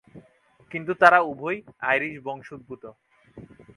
কিন্তু তারা উভয়েই আইরিশ বংশোদ্ভূত।